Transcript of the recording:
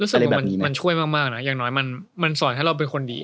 รู้สึกว่ามันช่วยมากนะอย่างน้อยมันสอนให้เราเป็นคนดี